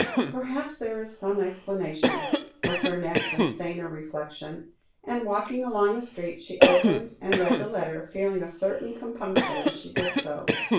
"Perhaps there is some explanation," was her next and saner reflection; and, walking along the street, she opened, and read the letter, feeling a certain compunction as she did so.